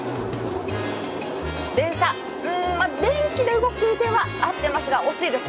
電車、うん、電気で動く点は合っていますが、惜しいです。